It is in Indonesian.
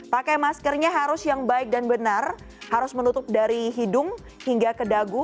pakai maskernya harus yang baik dan benar harus menutup dari hidung hingga ke dagu